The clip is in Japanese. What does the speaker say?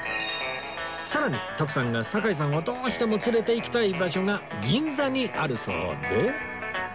さらに徳さんが堺さんをどうしても連れて行きたい場所が銀座にあるそうで